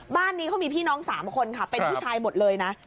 บ้านนี้เขามีพี่น้อง๓คนค่ะเป็นผู้ชายหมดเลยนะ